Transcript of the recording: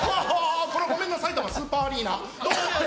ごめんなさいたまスーパーアリーナ。